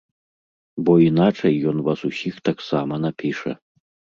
Бо іначай ён вас усіх таксама напіша.